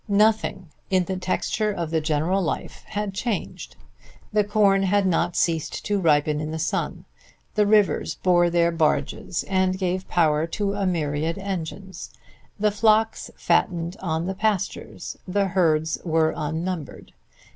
Nothing in the texture of the general life had changed. The corn had not ceased to ripen in the sun. The rivers bore their barges and gave power to a myriad engines. The flocks fattened on the pastures, the herds were unnumbered.